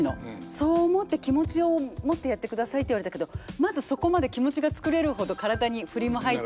そう思って気持ちを持ってやってくださいって言われたけどまだそこまで気持ちが作れるほど体に振りも入ってないんで。